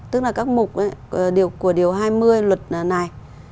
tức là các mục điều của điều hai mươi luật này